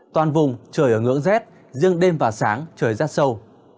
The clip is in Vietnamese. toàn vùng trời ở ngưỡng rét riêng đêm và sáng trời rét sâu